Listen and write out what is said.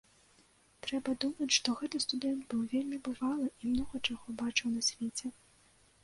Трэба думаць, што гэты студэнт быў вельмі бывалы і многа чаго бачыў на свеце.